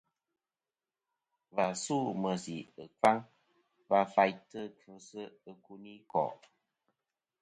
Và su meysì ɨkfaŋ va faytɨ kfɨsɨ ikunikò'.